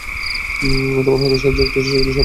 তোমরা হাতের সাহায্যে একটা টিস্যুগুলো সরাও।